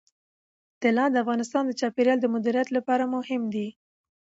طلا د افغانستان د چاپیریال د مدیریت لپاره مهم دي.